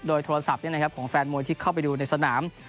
โดยโทรศัพท์ของแฟนมวยที่เข้าไปดูในสนาม